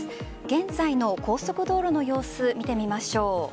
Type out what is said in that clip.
現在の高速道路の様子を見てみましょう。